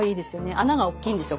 穴がおっきいんですよ